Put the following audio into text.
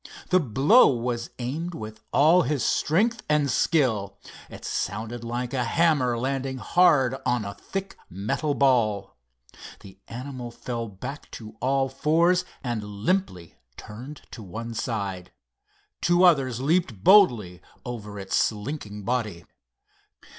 The blow was aimed with all his strength and skill. It sounded like a hammer landing hard on a thick metal ball. The animal fell back to all fours and limply turned to one side. Two others leaped boldly over its slinking body.